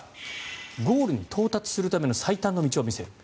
ゴールに到達するための最短の道を見せる。